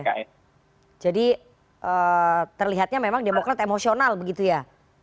oke jadi terlihatnya memang demokrat emosional begitu ya